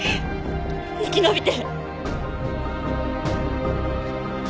生き延びて。